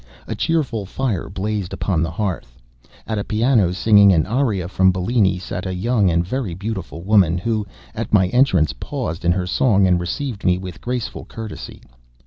A cheerful fire blazed upon the hearth. At a piano, singing an aria from Bellini, sat a young and very beautiful woman, who, at my entrance, paused in her song, and received me with graceful courtesy.